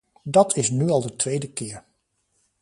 Dat is nu al de tweede keer.